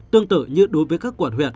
tương tự như đối với các quận huyện